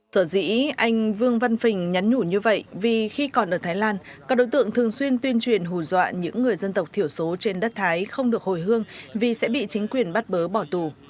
sở dĩ anh vương văn phình nhắn nhủ như vậy vì khi còn ở thái lan các đối tượng thường xuyên tuyên truyền hù dọa những người dân tộc thiểu số trên đất thái không được hồi hương vì sẽ bị chính quyền bắt bớ bỏ tù